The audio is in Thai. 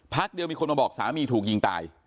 พักเดียวมีคนมาบอกสามีถูกยิงตาย